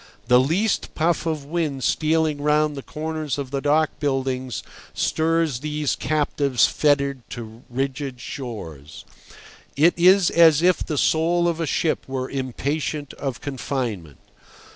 The least puff of wind stealing round the corners of the dock buildings stirs these captives fettered to rigid shores. It is as if the soul of a ship were impatient of confinement.